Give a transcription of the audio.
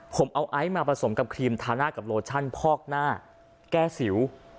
ผมเอาไอซ์มาผสมกับครีมทาหน้ากับโลชั่นพอกหน้าแก้สิว